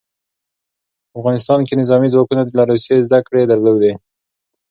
په افغانستان کې نظامي ځواکونه له روسیې زدکړې درلودې.